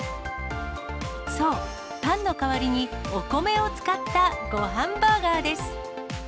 そう、パンの代わりにお米を使った、ごはんバーガーです。